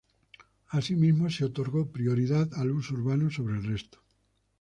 Asimismo, se otorgó prioridad al uso urbano sobre el resto.